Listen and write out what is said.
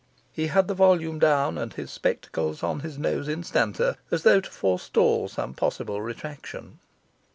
He had the volume down and his spectacles upon his nose instanter, as though to forestall some possible retractation.